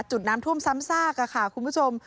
จุดน้ำท่วมซ้ำซากค่ะคุณผู้ชม